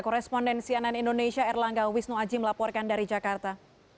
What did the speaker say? koresponden sianan indonesia erlangga wisnu aji melaporkan dari jakarta